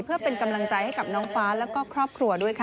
เพื่อเป็นกำลังใจให้กับน้องฟ้าแล้วก็ครอบครัวด้วยค่ะ